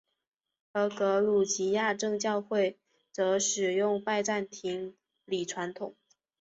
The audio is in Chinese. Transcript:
而格鲁吉亚正教会则使用拜占庭礼传统。